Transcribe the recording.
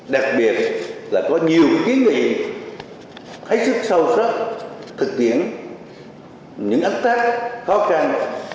đặc biệt là có nhiều ký nghị hãy sức sâu sắc thực hiện những áp tác khó khăn